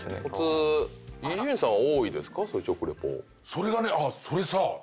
それがねそれさ。